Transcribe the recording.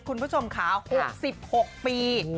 คุณผู้ชมค่ะ๖๖ปี